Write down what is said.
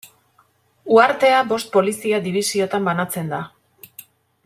Uhartea bost polizia-dibisiotan banatzen da.